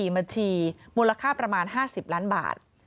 บัญชีมูลค่าประมาณ๕๐ล้านบาท